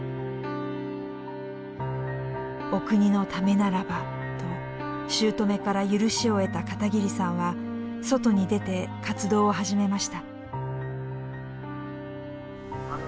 お国のためならばと姑から許しを得た片桐さんは外に出て活動を始めました。